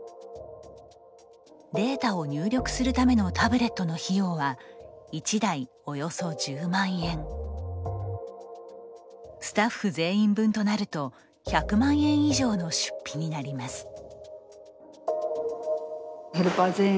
データを入力するためのタブレットの費用はスタッフ全員分となると１００万円以上の出費になります。